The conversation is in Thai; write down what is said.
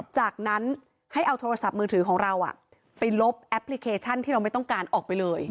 จากนั้นให้เอาโทรศัพท์มือถือของเราไปลบแอปพลิเคชันที่เราไม่ต้องการออกไปเลย